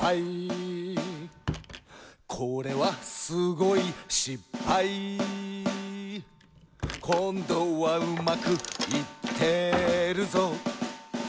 「これはすごいしっぱい」「こんどはうまくいってるぞ」